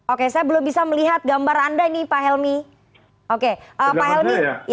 oke saya belum bisa melihat gambar anda ini pak helmi